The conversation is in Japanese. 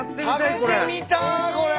食べてみたいこれ。